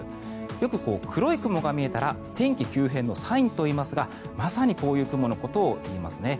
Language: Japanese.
よく黒い雲が見えたら天気急変のサインといいますがまさにこういう雲のことを言いますね。